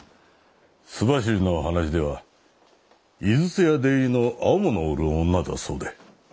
州走りの話では井筒屋出入りの青物を売る女だそうで。